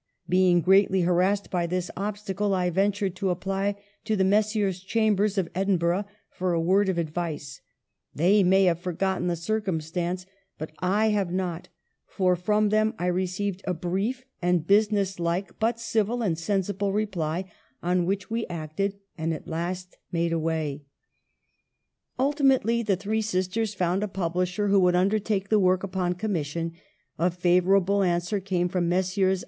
Being greatly harassed by this obstacle, I ventured to apply to the Messrs. Chambers of Edinburgh for a word of advice : they may have forgotten the circum stance, but / have not ; for from them I received a brief and business like but civil and sensible reply, on which we acted, and at last made a way." " 1 Memoir. C. B. 1 88 EMILY BRONTE. Ultimately the three sisters found a publisher who would undertake the work upon commission ; a favorable answer came from Messrs.